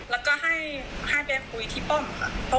แล้วก็ให้ไปคุยที่ป้อมค่ะ